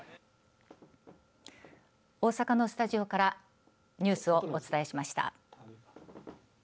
大阪のスタジオからニュースをお伝えしました。